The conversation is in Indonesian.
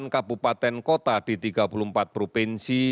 empat ratus empat puluh delapan kabupaten kota di tiga puluh empat provinsi